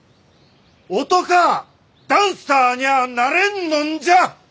男あダンサーにゃあなれんのんじゃ！